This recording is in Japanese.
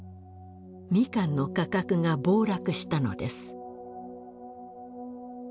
ミカンの価格が暴落したのです。